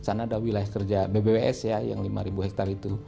di sana ada wilayah kerja bbws ya yang lima hektare itu